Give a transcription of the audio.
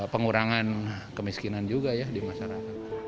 pengurangan kemiskinan juga ya di masyarakat